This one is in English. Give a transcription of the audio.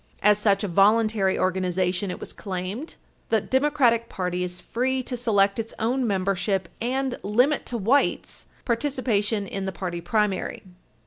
As such a voluntary organization, it was claimed, the Democratic party is free to select its own membership and limit to whites participation in the party primary.